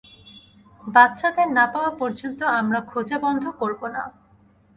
বাচ্চাদের না পাওয়া পর্যন্ত আমরা খোঁজা বন্ধ করব না।